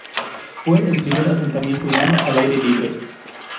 Fue el primer asentamiento humano al aire libre.